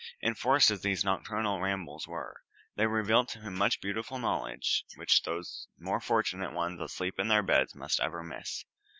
Enforced as these nocturnal rambles were, they revealed to him much beautiful knowledge which those more fortunate ones asleep in their beds must ever miss.